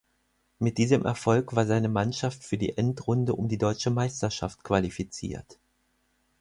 Mit diesem Erfolg war seine Mannschaft für die Endrunde um die Deutsche Meisterschaft qualifiziert.